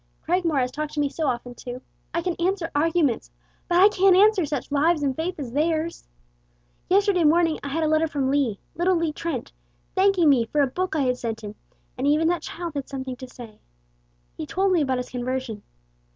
Cragmore has talked to me so often, too. I can answer arguments, but I can't answer such lives and faith as theirs. Yesterday morning I had a letter from Lee little Lee Trent thanking me for a book I had sent him, and even that child had something to say. He told me about his conversion.